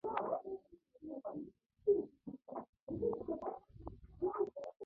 Парис тэгэхэд ч дэлхийн төв байсан.